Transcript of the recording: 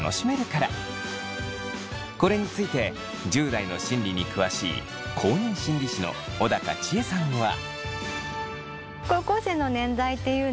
これについて１０代の心理に詳しい公認心理師の小高千枝さんは。